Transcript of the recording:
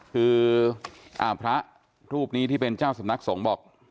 คือพระรูปนี้ที่เป็นเจ้าสำนักสงฆ์บอก